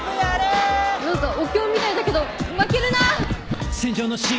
何かお経みたいだけど負けるな！